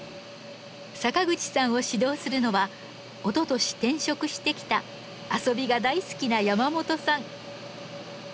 坂口さんを指導するのはおととし転職してきた遊びが大好きな山本さん。